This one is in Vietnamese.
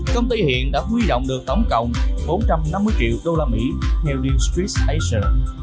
công ty hiện đã huy động được tổng cộng bốn trăm năm mươi triệu đô la mỹ theo điều street asia